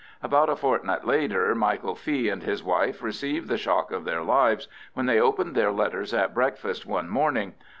About a fortnight later Michael Fee and his wife received the shock of their lives when they opened their letters at breakfast one morning.